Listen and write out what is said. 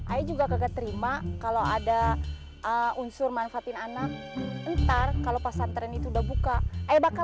ayah juga kagak terima kalau ada unsur manfaatin anak ntar kalau pesantren itu udah buka ayo bakal